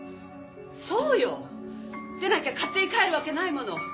そうよ！でなきゃ勝手に帰るわけないもの。